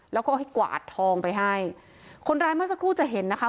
แล้วก็ให้กวาดทองไปให้คนร้ายเมื่อสักครู่จะเห็นนะคะ